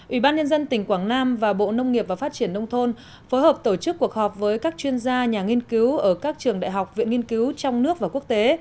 ủy ban nhân dân tỉnh quảng nam và bộ nông nghiệp và phát triển nông thôn phối hợp tổ chức cuộc họp với các chuyên gia nhà nghiên cứu ở các trường đại học viện nghiên cứu trong nước và quốc tế